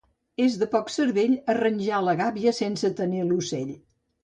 És de poc cervell arranjar la gàbia sense tenir l'ocell.